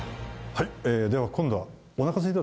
はい。